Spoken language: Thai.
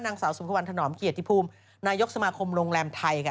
นางสาวสุมควรถนอมเกียรติภูมินายกสมาคมโรงแรมไทยค่ะ